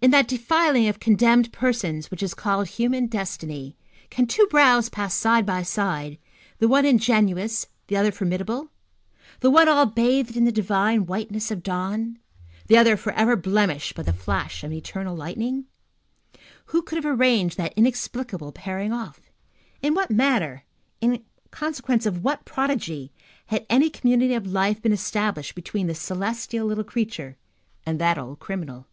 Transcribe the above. In that defiling of condemned persons which is called human destiny, can two brows pass side by side, the one ingenuous, the other formidable, the one all bathed in the divine whiteness of dawn, the other forever blemished by the flash of an eternal lightning? Who could have arranged that inexplicable pairing off? In what manner, in consequence of what prodigy, had any community of life been established between this celestial little creature and that old criminal?